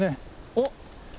おっ。